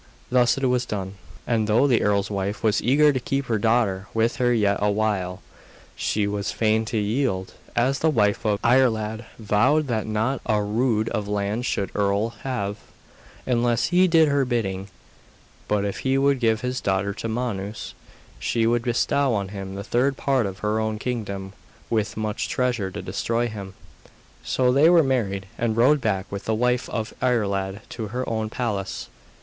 Thus it was done; and though the earl's wife was eager to keep her daughter with her yet a while, she was fain to yield, as the wife of Iarlaid vowed that not a rood of land should the earl have, unless he did her bidding. But if he would give his daughter to Manus, she would bestow on him the third part of her own kingdom, with much treasure beside. This she did, not from love to Manus, but because she wished to destroy him. So they were married, and rode back with the wife of Iarlaid to her own palace.